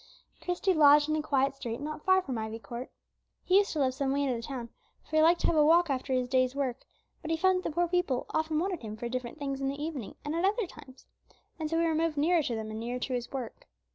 Christie lodged in a quiet street not far from Ivy Court. He used to live some way out of the town, for he liked to have a walk after his day's work was done; but he found that the poor people often wanted him for different things in the evening and at other times, and so he removed nearer to them and nearer to his work.